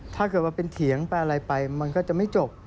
ถ้าเกิดว่าเป็นเถียงไปอะไรไปมันก็จะไม่จบ